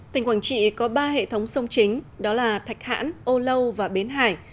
tỉnh quảng trị có ba hệ thống sông chính đó là thạch hãn âu lâu và bến hải